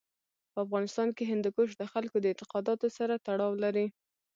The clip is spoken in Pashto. په افغانستان کې هندوکش د خلکو د اعتقاداتو سره تړاو لري.